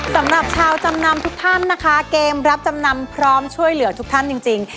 สำหรับชาวจำนำทุกท่านนะคะเกมรับจำนำพร้อมช่วยเหลือทุกท่านจริง